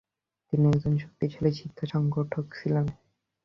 তিনি একজন শক্তিশালী শিক্ষা সংগঠক ছিলেন।